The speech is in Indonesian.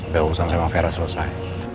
biar urusan primavera selesai